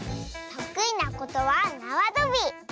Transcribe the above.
とくいなことはなわとび。